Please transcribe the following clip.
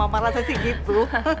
ya mama malah sih gitu